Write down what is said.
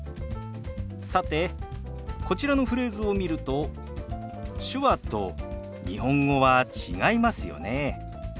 さてこちらのフレーズを見ると手話と日本語は違いますよね。